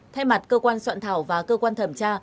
thay mặt cơ quan soạn thảo và cơ quan thẩm tra